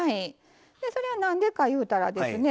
それは何でか言うたらですね